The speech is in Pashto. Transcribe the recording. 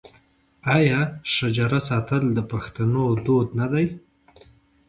آیا شجره ساتل د پښتنو دود نه دی؟